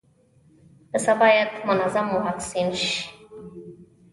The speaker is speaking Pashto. پسه باید منظم واکسین شي.